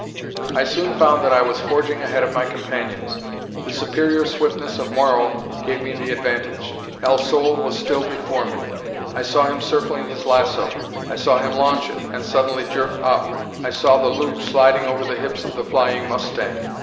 I soon found that I was forging ahead of my companions. The superior swiftness of Moro gave me the advantage. El Sol was still before me. I saw him circling his lasso; I saw him launch it, and suddenly jerk up; I saw the loop sliding over the hips of the flying mustang.